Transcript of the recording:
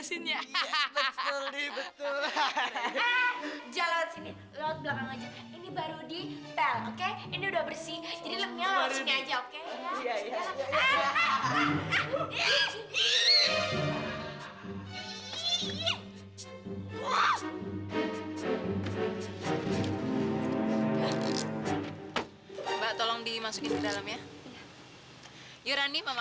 udah terbuktikan semuanya ma